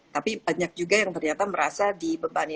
tapi banyak juga yang ternyata merasa dibebani